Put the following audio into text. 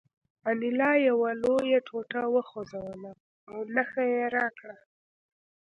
انیلا یوه لویه ټوټه وخوځوله او نښه یې راکړه